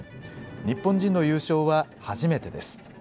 日本人の優勝は初めてです。